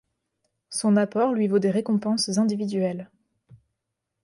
Son apport lui vaut des récompenses individuelles.